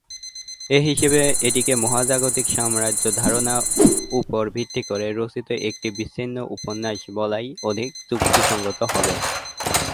এ হিসেবে এটিকে মহাজাগতিক সাম্রাজ্য ধারণা উপর ভিত্তি করে রচিত একটি বিচ্ছিন্ন উপন্যাস বলাই অধিক যুক্তিসঙ্গত হবে।